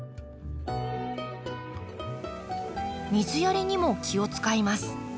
水やりにも気を遣います。